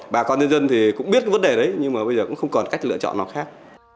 bà con nhân dân thì cũng biết vấn đề đấy nhưng mà bây giờ cũng không còn cách lựa chọn nào khác